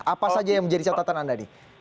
apa saja yang menjadi catatan anda nih